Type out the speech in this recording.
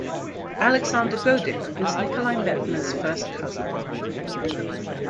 Alexander Goedicke was Nikolai Medtner's first cousin.